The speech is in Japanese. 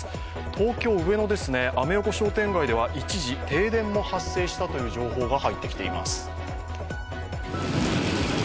東京・上野ですね、アメ横商店街では一時停電も発生したという情報が入ってきています。